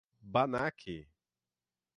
Bannach